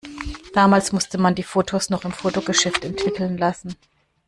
Damals musste man die Fotos noch im Fotogeschäft entwickeln lassen.